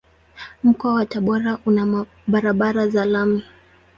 Mkoa wa Tabora una barabara za lami.